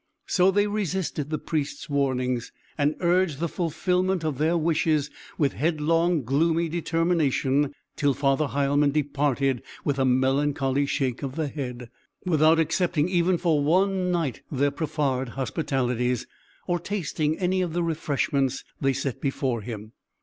So they resisted the Priest's warnings, and urged the fulfilment of their wishes with headlong, gloomy determination, till Father Heilmann departed with a melancholy shake of the head, without accepting even for one night their proffered hospitalities, or tasting any of the refreshments they set before him.